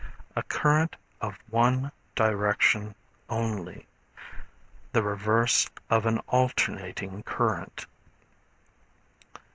A current of one direction only; the reverse of an alternating current.